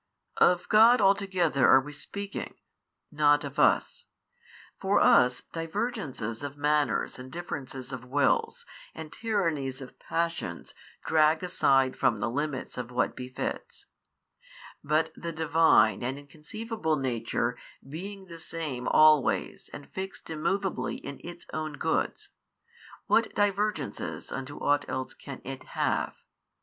Of God altogether are we speaking, not of us; for us divergences of manners and differences of wills and tyrannies of passions drag aside from the limits of what befits: but the Divine and Inconceivable Nature being the Same always and fixed immoveably in Its own Goods, what divergences unto ought else can It have?